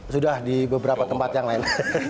sudah di beberapa tempat yang lain